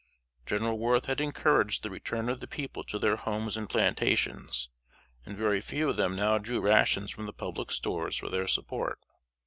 General Worth had encouraged the return of the people to their homes and plantations, and very few of them now drew rations from the public stores for their support.